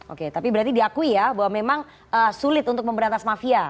oke tapi berarti diakui ya bahwa memang sulit untuk memberantas mafia